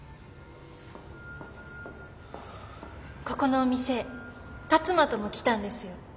ここのお店辰馬とも来たんですよ。